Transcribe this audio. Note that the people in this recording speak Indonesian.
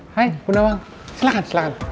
hai puna wang silahkan silahkan